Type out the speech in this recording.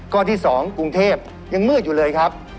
ข้อที่๒กรุงเทพยังมืดอยู่เลยครับ